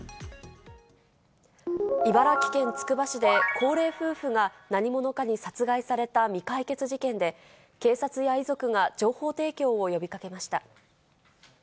茨城県つくば市で、高齢夫婦が何者かに殺害された未解決事件で、警察や遺族が情報提供を呼びかけました。